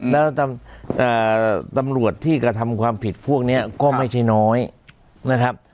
แล้วตำรวจที่กระทำความผิดพวกนี้ก็ไม่ใช่น้อยนะครับ